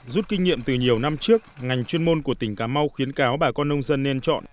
rút kinh nghiệm từ nhiều năm trước ngành chuyên môn của tỉnh cà mau khuyến cáo bà con nông dân nên chọn